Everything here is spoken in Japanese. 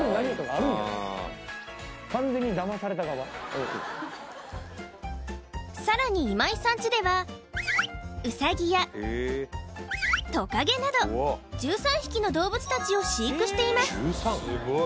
完全にだまされた側うんさらに今井さんちではウサギやトカゲなど１３匹の動物たちを飼育しています